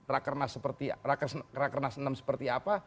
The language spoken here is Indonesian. rakenas enam seperti apa